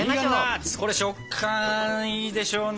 これ食感いいでしょうね。